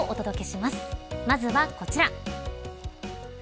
まずは、こちら。